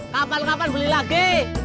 kapan kapan beli lagi